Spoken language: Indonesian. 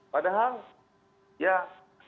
padahal ya kenapa tidak gymnastics locals photo anche tentu